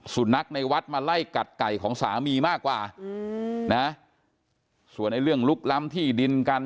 สุนัขในวัดมาไล่กัดไก่ของสามีมากกว่าอืมนะส่วนไอ้เรื่องลุกล้ำที่ดินกัน